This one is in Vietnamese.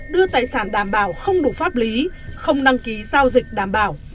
đưa tài sản đảm bảo không đủ pháp lý không đăng ký giao dịch đảm bảo